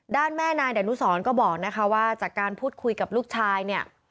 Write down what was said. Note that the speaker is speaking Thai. ด้านแม่นายเดี๋ยวนุ้นสอนก็บอกนะคะว่าจากการพูดคุยกับลูกชายเนี่ย